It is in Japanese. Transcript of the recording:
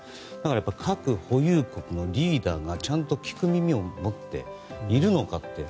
でも、核保有国のリーダーがちゃんと聞く耳を持っているのかって。